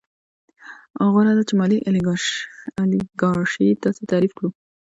غوره ده چې مالي الیګارشي داسې تعریف کړو